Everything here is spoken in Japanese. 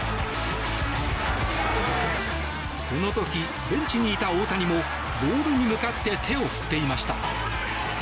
この時、ベンチにいた大谷もボールに向かって手を振っていました。